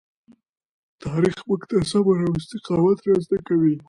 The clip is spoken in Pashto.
تاریخ موږ ته صبر او استقامت را زده کوي.